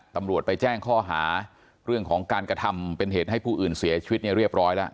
ตำรวจไปแจ้งข้อหาเรื่องของการกระทำเป็นเหตุให้ผู้อื่นเสียชีวิตเนี่ยเรียบร้อยแล้ว